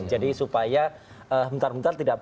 jadi supaya bentar bentar tidak